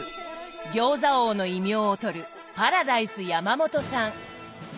「餃子王」の異名をとるパラダイス山元さん。